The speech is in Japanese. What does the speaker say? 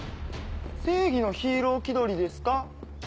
正義のヒーロー気取りですか？